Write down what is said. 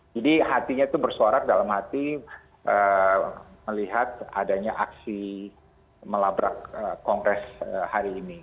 jadi hatinya itu bersorak dalam hati melihat adanya aksi melabrak kongres hari ini